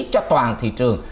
cho toàn thị trường